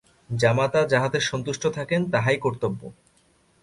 জামাতা যাহাতে সন্তুষ্ট থাকেন তাহাই কর্তব্য।